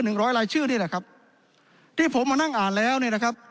ร้อยลายชื่อนี่แหละครับที่ผมมานั่งอ่านแล้วเนี่ยนะครับ